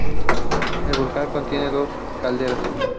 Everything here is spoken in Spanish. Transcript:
El volcán contiene dos calderas.